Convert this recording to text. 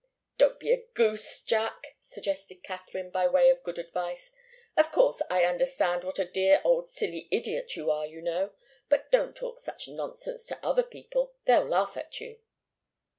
"Don't be a goose, Jack!" suggested Katharine, by way of good advice. "Of course, I understand what a dear old silly idiot you are, you know. But don't talk such nonsense to other people. They'll laugh at you."